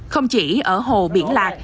không chỉ ở hồ biển lạc